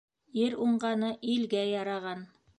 Ир уңғаны илгә яраған.